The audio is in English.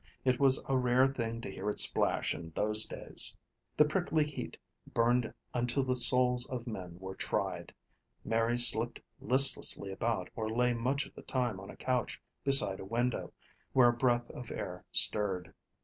It was a rare thing to hear it splash in those days. The prickly heat burned until the souls of men were tried. Mary slipped listlessly about or lay much of the time on a couch beside a window, where a breath of air stirred.